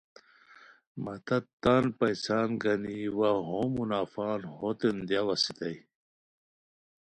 مہ تت تان پیسان گنی وا ہو منافعان ہوتین دیاؤ اسیتائے